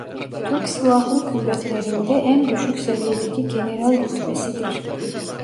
Türk Silahlı Kuvvetleri'nde en düşük seviyedeki general rütbesidir.